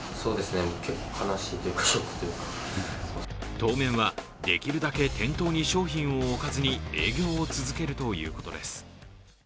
当面は、できるだけ店頭に商品を置かずに営業を続けるということです。